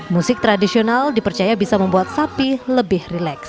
musik tradisional dipercaya bisa membuat sapi lebih rileks